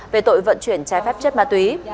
về tội vận chuyển trái phép chất ma túy